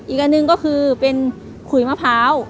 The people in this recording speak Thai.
อีกอันหนึ่งก็คือเป็นขุยมะพร้าว